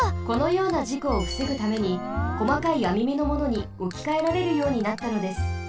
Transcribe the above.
このようなじこをふせぐためにこまかいあみめのものにおきかえられるようになったのです。